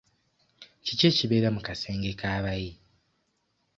Kiki ekibeera mu kasenge k'abayi?